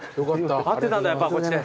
合ってたんだやっぱこっちで。